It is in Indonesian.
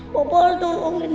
papa harus tolongin intan